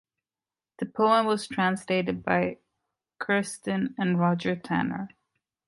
The poem was translated by Kerstin and Roger Tanner.